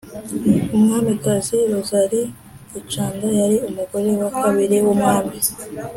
Umwamikazi Rosalie Gicanda yari umugore wa kabiri w’umwami.